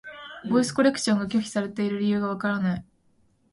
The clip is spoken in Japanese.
ボイスコレクションが拒否されている理由がわからない。